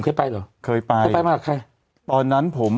สวัสดีครับคุณผู้ชม